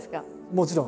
もちろん。